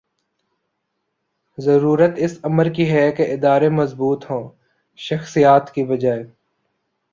ضرورت اس امر کی ہے کہ ادارے مضبوط ہوں ’’ شخصیات ‘‘ کی بجائے